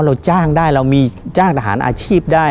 เราจ้างได้เรามีจ้างทหารอาชีพได้